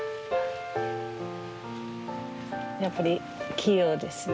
やっぱり器用ですね。